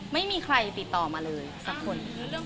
ไม่มีใครติดต่อมาเลยสักคน